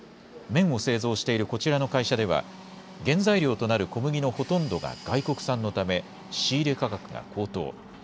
麺を製造しているこちらの会社では、原材料となる小麦のほとんどが外国産のため、仕入れ価格が高騰。